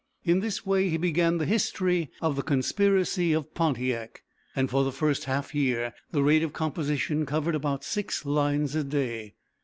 In this way he began the history of "The Conspiracy of Pontiac," and for the first half year the rate of composition covered about six lines a day.